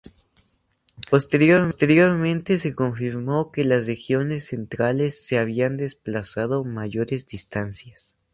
Posteriormente se confirmó que las regiones centrales se habían desplazado mayores distancias.